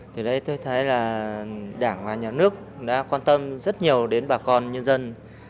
từ đây tôi thấy là đảng và nhà nước đã quan tâm rất nhiều đến bà con nhân dân